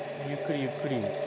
ゆっくりゆっくり。